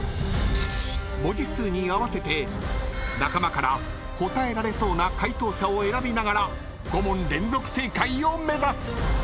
［文字数に合わせて仲間から答えられそうな解答者を選びながら５問連続正解を目指す］